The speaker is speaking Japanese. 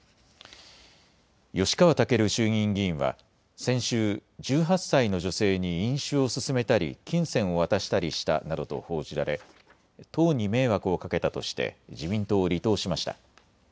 吉川赳衆議院議員は先週、１８歳の女性に飲酒を勧めたり金銭を渡したりしたなどと報じられ党に迷惑をかけたとして自民党を離党しました。